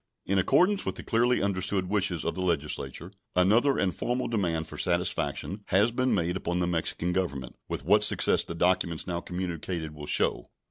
In accordance with the clearly understood wishes of the Legislature, another and formal demand for satisfaction has been made upon the Mexican Government, with what success the documents now communicated will show.